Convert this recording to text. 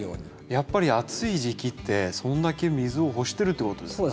やっぱり暑い時期ってそんだけ水を欲してるってことですかね。